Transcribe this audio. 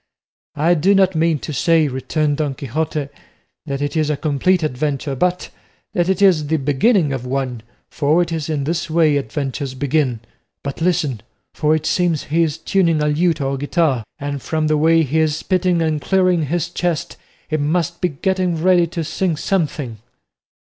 "I do not mean to say," returned Don Quixote, "that it is a complete adventure, but that it is the beginning of one, for it is in this way adventures begin. But listen, for it seems he is tuning a lute or guitar, and from the way he is spitting and clearing his chest he must be getting ready to sing something."